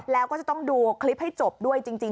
แล้วก็จะต้องดูคลิปให้จบด้วยจริง